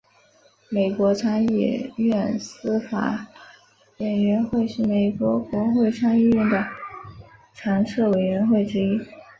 美国参议院司法委员会是美国国会参议院的常设委员会之一。